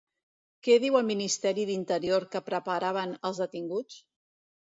Què diu el Ministeri d'Interior que preparaven els detinguts?